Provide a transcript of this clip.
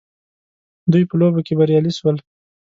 دوی په لوبه کي بريالي سول